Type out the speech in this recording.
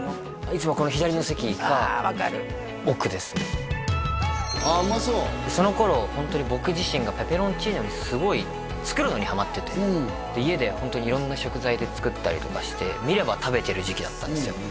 いつもこの左の席か奥ですねああうまそうその頃ホントに僕自身がペペロンチーノにすごい作るのにハマってて家でホントに色んな食材で作ったりとかして見れば食べてる時期だったんですよ